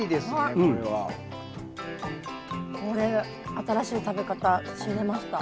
これ新しい食べ方知りました。